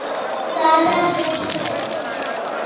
ستا غږ ډېر ښه دی.